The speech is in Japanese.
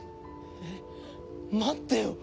えっ待ってよ！